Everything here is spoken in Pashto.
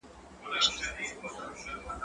زه مېوې نه راټولوم؟